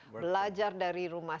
belajar dari rumah